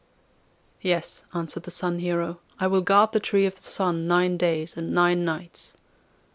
'Yes,' answered the Sun Hero, 'I will guard the Tree of the Sun nine days and nine nights.